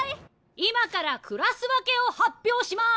今からクラス分けを発表します。